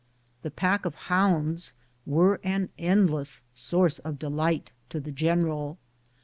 The pack of hounds were an endless source of delight to the general.